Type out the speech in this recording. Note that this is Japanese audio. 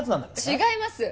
違います！